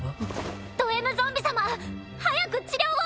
ドＭゾンビ様早く治療を！